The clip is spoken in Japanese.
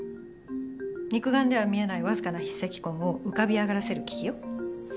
肉眼では見えないわずかな筆跡痕を浮かび上がらせる機器よ。